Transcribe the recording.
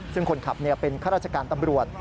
ซึ่งคนขับเป็นข้าราชการตำรวจ